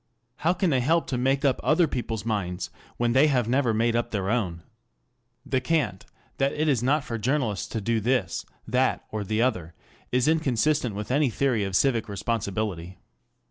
How can they help to make up other people's minds when they have never made up their own ? The cant, that it is not for journalists to do this, that, or the other, is inconsistent with any theory of civic responsibility.